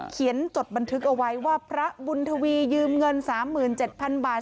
เขียนจดบันทึกเอาไว้ว่าพระบุญธวียืมเงินสามหมื่นเจ็ดพันบาท